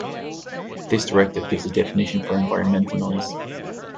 This directive gives a definition for environmental noise.